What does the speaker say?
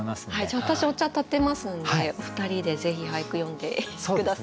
じゃあ私お茶たてますんでお二人でぜひ俳句詠んで下さい。